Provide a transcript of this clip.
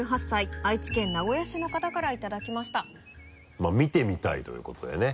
まぁ見てみたいということでね。